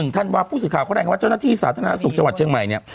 ธันวาคผู้สื่อข่าวเขาแรงว่าเจ้าหน้าที่สาธารณสุขจังหวัดเชียงใหม่เนี่ย